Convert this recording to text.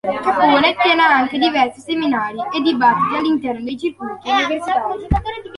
Capone tiene anche diversi seminari e dibattiti all'interno dei circuiti universitari.